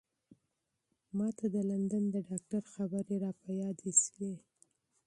ما ته د لندن د ډاکتر خبرې را په یاد شوې.